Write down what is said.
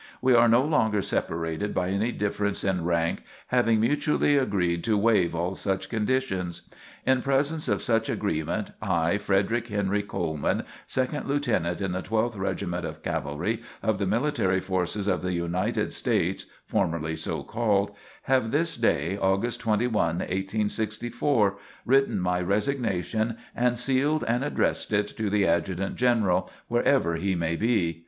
We are no longer separated by any difference in rank, having mutually agreed to waive all such conditions. In presence of such agreement, I, Frederick Henry Coleman, Second Lieutenant in the 12th Regiment of Cavalry of the military forces of the United States (formerly so called), have this day, August 21, 1864, written my resignation and sealed and addressed it to the Adjutant General, wherever he may be.